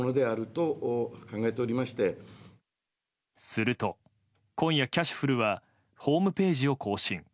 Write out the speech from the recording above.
すると、今夜キャシュふるはホームページを更新。